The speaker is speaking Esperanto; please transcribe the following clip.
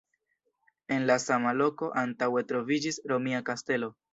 En la sama loko antaŭe troviĝis Romia kastelo.